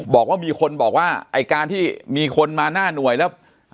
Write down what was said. บอกว่ามีคนบอกว่าไอ้การที่มีคนมาหน้าหน่วยแล้ว